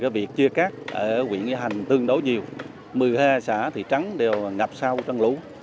việc chia cắt ở huyện nghĩa hành tương đối nhiều một mươi hai xã thị trấn đều ngập sâu trận lũ